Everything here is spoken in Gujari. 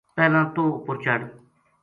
پہلاں توہ اپر چڑھ